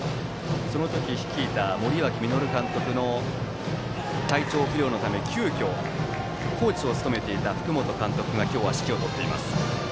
その時率いた森脇稔監督の体調不良のため急きょ、コーチを務めていた福本監督が今日は指揮を執っています。